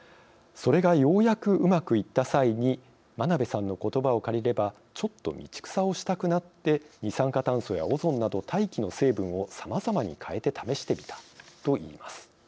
それがようやくうまくいった際に真鍋さんのことばを借りればちょっと道草をしたくなって二酸化炭素やオゾンなど大気の成分をさまざまに変えて試してみたと言います。